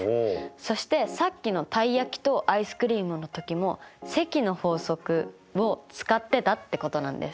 そしてさっきのたい焼きとアイスクリームの時も積の法則を使ってたってことなんです。